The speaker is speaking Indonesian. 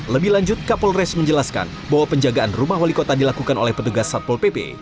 lebih lanjut kapolres menjelaskan bahwa penjagaan rumah wali kota dilakukan oleh petugas satpol pp